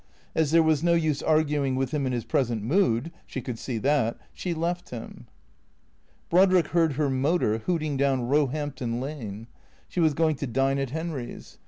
As there was no use arguing with him in his present mood (she could see that), she left him. Brodrick heard her motor hooting down Eoehampton Lane. She was going to dine at Henry's.